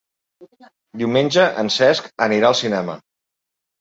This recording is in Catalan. Diumenge en Cesc anirà al cinema.